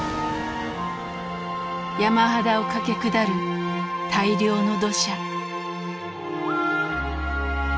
山肌をかけ下る大量の土砂。